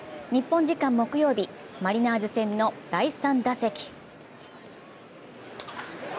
日本時間木曜日マリナーズ戦の第３打席。